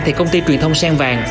thì công ty truyền thông sang vàng